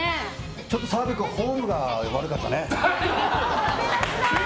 ちょっと澤部君フォームが悪かったね。